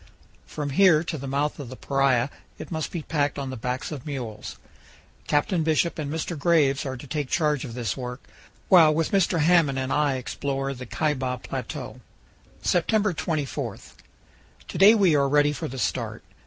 From here to the mouth of the Paria it must be packed on the backs of mules; Captain Bishop and Mr. Graves are to take charge of this work, while with Mr. Hamblin I explore the Kaibab Plateau. September 24 To day we are ready for the start.